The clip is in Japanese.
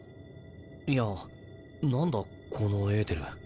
いや何だこのエーテル。